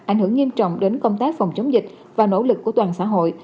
ảnh hưởng nghiêm trọng đến công tác phòng chống dịch và nỗ lực của toàn xã hội